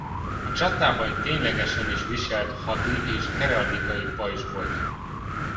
A csatában ténylegesen is viselt hadi és heraldikai pajzs volt.